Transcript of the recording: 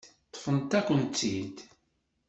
Ṭṭfent-akent-tt-id.